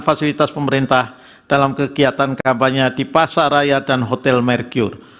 fasilitas pemerintah dalam kegiatan kampanye di pasaraya dan hotel mergur